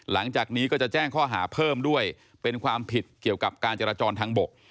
หลังจากนี้ก็จะแจ้งข้อหาเพิ่มด้วยเป็นความผิดเกี่ยวกับการจราจรทางบก